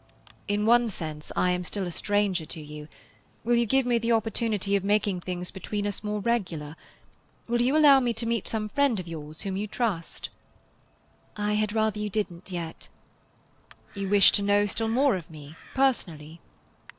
"In one sense, I am still a stranger to you. Will you give me the opportunity of making things between us more regular? Will you allow me to meet some friend of yours whom you trust?" "I had rather you didn't yet." "You wish to know still more of me, personally?"